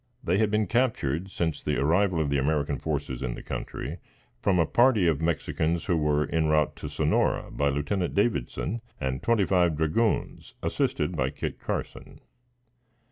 They had been captured since the arrival of the American forces in the country, from a party of Mexicans, who were en route to Sonora, by Lieutenant Davidson and twenty five dragoons, assisted by Kit Carson.